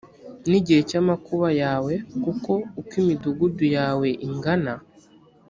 ni igihe cy amakuba yawe kuko uko imidugudu yawe ingana